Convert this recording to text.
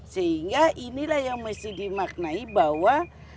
sehingga inilah yang mesti dimaknai bahwa